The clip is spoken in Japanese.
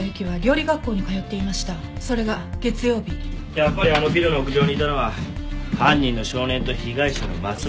やっぱりあのビルの屋上にいたのは犯人の少年と被害者の松永由貴。